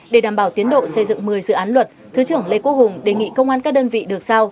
để đảm bảo tiến độ xây dựng một mươi dự án luật thứ trưởng lê quốc hùng đề nghị công an các đơn vị được sao